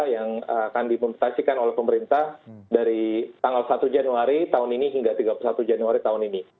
yang akan diputasikan oleh pemerintah dari tanggal satu januari tahun ini hingga tiga puluh satu januari tahun ini